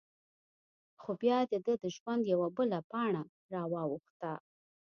خو؛ بیا د دهٔ د ژوند یوه بله پاڼه را واوښته…